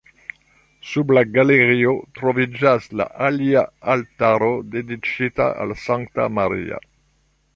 Sub la galerio troviĝas la alia altaro dediĉita al Sankta Maria.